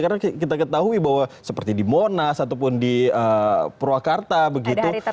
karena kita ketahui bahwa seperti di monas ataupun di purwakarta begitu